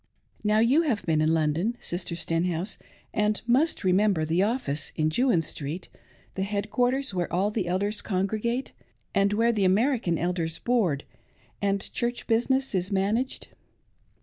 Now you have been in London, Sister Stenhouse, and must remember " the office " in Jewin Street — the head quarters where all the elders congregate, and where the American elders board, and Church business is managed.